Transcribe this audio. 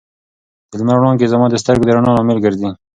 د لمر وړانګې زما د سترګو د رڼا لامل ګرځي.